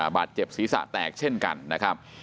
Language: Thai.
บาดเจ็บศีรษะแตกเช่นกันนะครับ